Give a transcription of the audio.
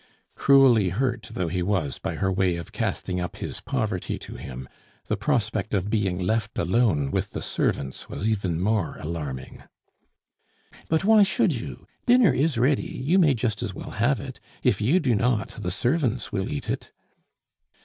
Cruelly hurt though he was by her way of casting up his poverty to him, the prospect of being left alone with the servants was even more alarming. "But why should you? Dinner is ready; you may just as well have it; if you do not, the servants will eat it."